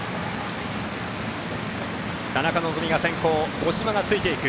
田中希実が先行五島がついていく。